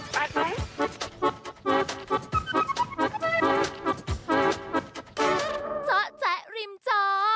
เจาะแจ๊ะริมจอ